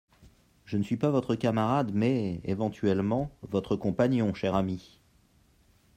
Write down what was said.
Je ne suis pas votre camarade mais, éventuellement, votre compagnon, cher ami.